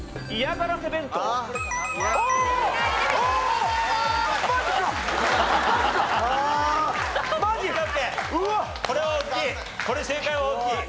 これ正解は大きい。